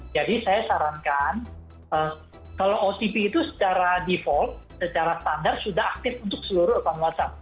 jadi saya sarankan kalau otp itu secara default secara standar sudah aktif untuk seluruh orang whatsapp